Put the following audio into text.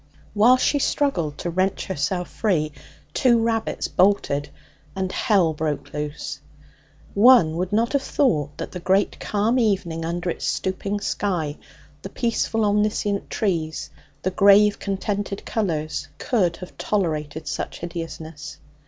While she struggled to wrench herself free, two rabbits bolted, and hell broke loose. One would not have thought that the great calm evening under its stooping sky, the peaceful, omniscient trees, the grave, contented colours, could have tolerated such hideousness.